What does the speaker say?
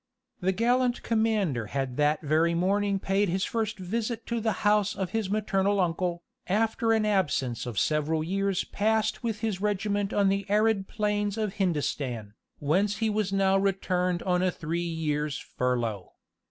The gallant commander had that very morning paid his first visit to the house of his maternal uncle, after an absence of several years passed with his regiment on the arid plains of Hindostan, whence he was now returned on a three years' furlough.